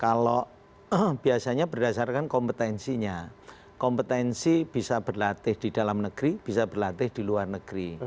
kalau biasanya berdasarkan kompetensinya kompetensi bisa berlatih di dalam negeri bisa berlatih di luar negeri